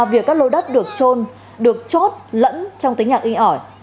việc các lô đất được trôn được chốt lẫn trong tính nhạc in ỏi